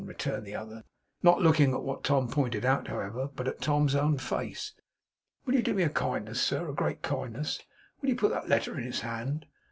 returned the other, not looking at what Tom pointed out, however, but at Tom's own face. 'Will you do me a kindness, sir, a great kindness? Will you put that letter in his hand?